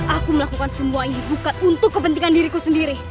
aku melakukan semua ini bukan untuk kepentingan diriku sendiri